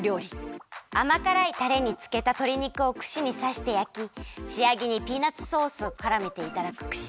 あまからいタレにつけたとり肉をくしにさしてやきしあげにピーナツソースをからめていただくくし